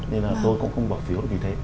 nên là tôi cũng không bỏ phiếu vì thế